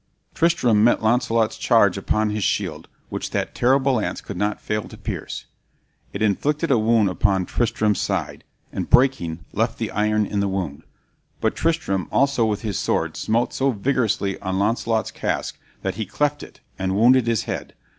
Tristram met Launcelot's charge upon his shield, which that terrible lance could not fail to pierce. It inflicted a wound upon Tristram's side, and, breaking, left the iron in the wound. But Tristram also with his sword smote so vigorously on Launcelot's casque that he cleft it, and wounded his head.